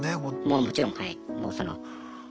もうもちろんはい。